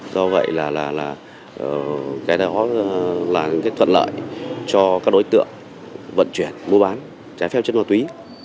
do vậy là cái đó là những cái thuận lợi cho các đối tượng vận chuyển mua bán trái phép chất ma túy